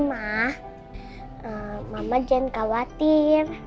mama jangan khawatir